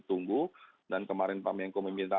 tunggu dan kemarin pak menko meminta